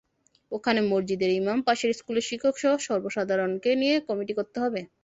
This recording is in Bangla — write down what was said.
ওখানে মসজিদের ইমাম, পাশের স্কুলের শিক্ষকসহ সর্বসাধারণকে নিয়ে কমিটি করতে হবে।